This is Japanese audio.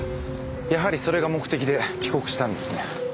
やはりそれが目的で帰国したんですね。